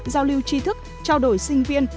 giao lưu tri thức trao đổi sinh viên